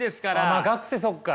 まあ学生そっか。